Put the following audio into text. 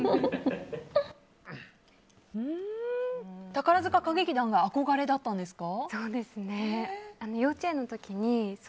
宝塚歌劇団が憧れだったんですか？